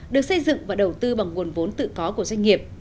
được xây dựng và đầu tư bằng nguồn vốn tự có của doanh nghiệp